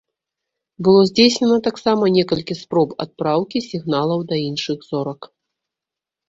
Было здзейснена таксама некалькі спроб адпраўкі сігналаў да іншых зорак.